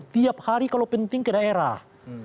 tiap hari kalau penting ke daerah